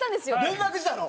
連絡したの？